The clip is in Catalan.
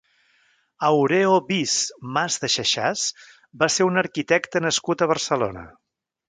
Aureo Bis Mas de Xaxars va ser un arquitecte nascut a Barcelona.